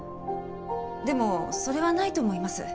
でもそれはないと思います。